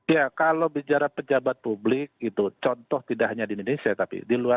ya kalau bicara pejabat publik itu contoh tidak hanya di indonesia tapi di luar